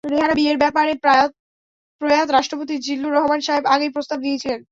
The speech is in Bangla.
রেহানার বিয়ের ব্যাপারে প্রয়াত রাষ্ট্রপতি জিল্লুর রহমান সাহেব আগেই প্রস্তাব দিয়েছিলেন।